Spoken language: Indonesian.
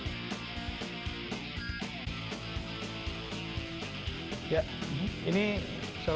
hendra mencoba peruntungannya dengan berat